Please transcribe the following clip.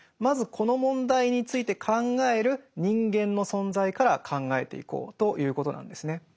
まずこの問題について考える人間の存在から考えていこうということなんですね。